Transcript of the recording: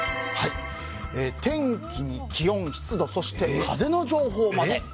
天気に気温、湿度そして風の情報まで。